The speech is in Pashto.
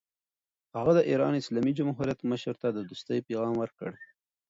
هغه د ایران اسلامي جمهوریت مشر ته د دوستۍ پیغام ورکړ.